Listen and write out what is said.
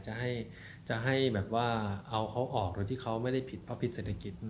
จะให้แบบว่าเอาเขาออกโดยที่เขาไม่ได้ผิดเพราะผิดเศรษฐกิจ